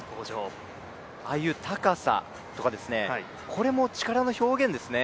ああいう高さとかこれも力の表現ですね。